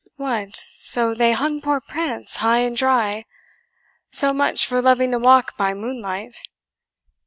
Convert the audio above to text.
"What, so they hung poor Prance high and dry? so much for loving to walk by moonlight.